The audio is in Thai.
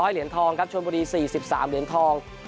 เหรียญทองครับชนบุรี๔๓เหรียญทอง